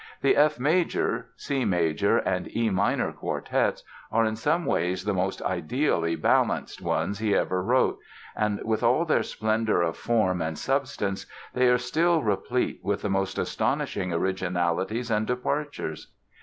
The F major, C major, and E minor Quartets are in some ways the most ideally "balanced" ones he ever wrote; and, with all their splendor of form and substance, they are still replete with the most astonishing originalities and departures.